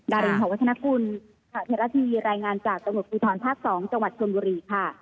ดารินโถวชนะกุลเทศรภีรายงานจากตำรวจภูทรภาค๒จังหวัดเชิมบุรีค่ะ